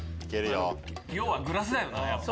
要はグラスだよなやっぱ。